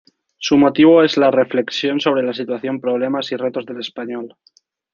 Su motivo es la reflexión sobre la situación, problemas y retos del español.